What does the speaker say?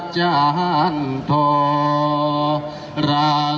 อร้อง